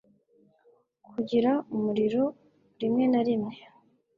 Kugira umuriro rimwe na rimwe